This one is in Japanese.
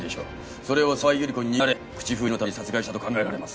それを澤井百合子に握られ口封じのために殺害したと考えられます。